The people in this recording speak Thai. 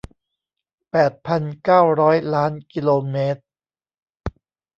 แปดพันเก้าร้อยล้านกิโลเมตร